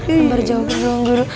ambar jawaban doang guru